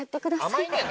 甘いね。